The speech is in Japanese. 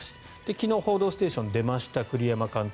昨日、「報道ステーション」に出ました、栗山監督。